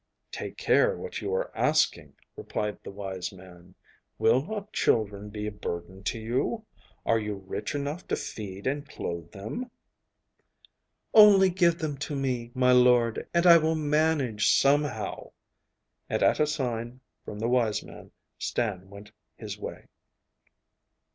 'Take care what you are asking,' replied the wise man. 'Will not children be a burden to you? Are you rich enough to feed and clothe them?' 'Only give them to me, my lord, and I will manage somehow!' and at a sign from the wise man Stan went his way.